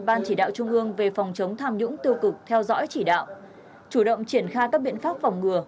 ban chỉ đạo trung ương về phòng chống tham nhũng tiêu cực theo dõi chỉ đạo chủ động triển khai các biện pháp phòng ngừa